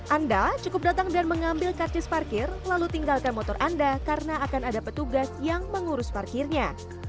anda cukup datang dan mengambil karcis parkir lalu tinggalkan motor anda karena akan ada petugas yang mengurus parkirnya